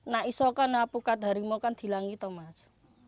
nanti iso kan pukat harimau kan di langit mas